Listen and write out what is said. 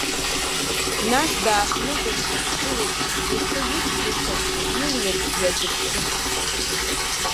Нас дааҳәны дылхыԥшылеит, ихы ҩышьҭихын, илҩаҵә дҩазыԥшит.